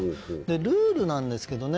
ルールなんですけどね